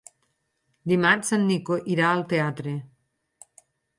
Dimarts en Nico irà al teatre.